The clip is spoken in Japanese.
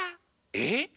えっ⁉